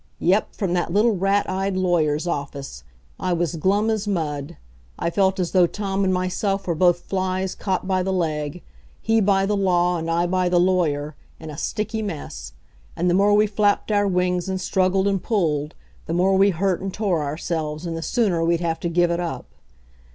Yep, from that little, rat eyed lawyer's office. I was glum as mud. I felt as though Tom and myself were both flies caught by the leg he by the law and I by the lawyer in a sticky mess; and the more we flapped our wings and struggled and pulled, the more we hurt and tore ourselves, and the sooner we'd have to give it up.